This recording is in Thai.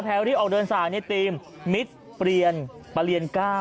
แพลรี่ออกเดินสายในธีมมิสเปลี่ยนปะเรียน๙